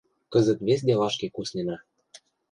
Кызыт вес делашке куснена...